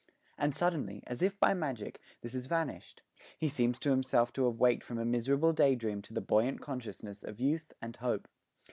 And suddenly, as if by magic, this has vanished: he seems to himself to have waked from a miserable day dream to the buoyant consciousness of youth and hope.